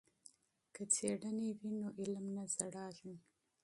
که تحقیق وي نو علم نه زړیږي.